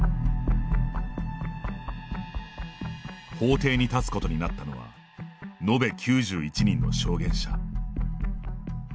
法廷に立つことになったのは延べ９１人の証言者。